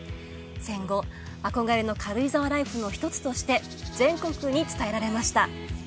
戦後憧れの軽井沢ライフの一つとして全国に伝えられました